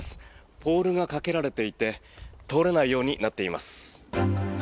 ポールがかけられていて通れないようになっています。